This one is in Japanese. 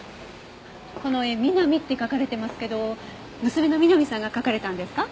この絵「Ｍｉｎａｍｉ」って書かれてますけど娘の美波さんが描かれたんですか？